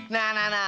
nah nah nah